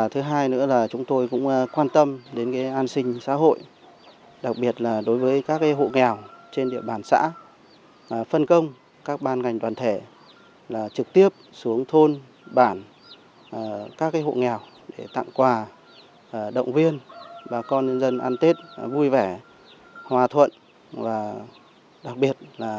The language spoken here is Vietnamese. từ lâu việc phát triển các công tác an sinh xã hội chăm lo đời sống cho bà con trong xã luôn được trú trọng